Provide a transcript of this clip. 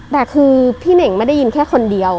แต่คือพี่เน่งไม่ได้ยินแค่คนเดียว